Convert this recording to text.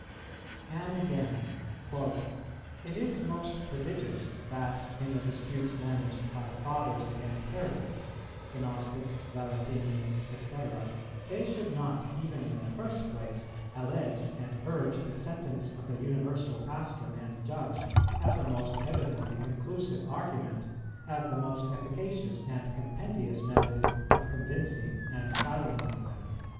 And again: "It is most prodigious that, in the disputes managed by the Fathers against heretics, the Gnostics, Valentinians, &c., they should not, even in the first place, allege and urge the sentence of the universal pastor and judge, as a most evidently conclusive argument, as the most efficacious and compendious method of convincing and silencing them."